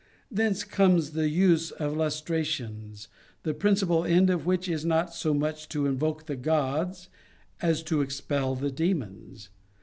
Thence comes the use of lustrations, the principal end of which is not so much to invoke the gods as to expel the demons.